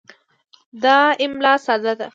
دا املا ساده ده.